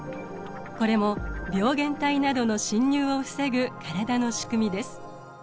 これも病原体などの侵入を防ぐ体のしくみです。